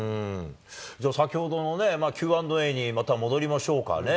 じゃあ、先ほどのね、Ｑ＆Ａにまた戻りましょうか。